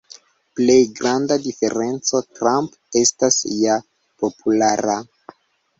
Plej granda diferenco: Trump estas ja populara.